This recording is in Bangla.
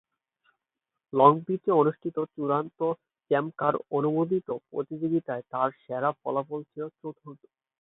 লং বিচে অনুষ্ঠিত চূড়ান্ত চ্যাম্প কার-অনুমোদিত প্রতিযোগিতায় তার সেরা ফলাফল ছিল চতুর্থ।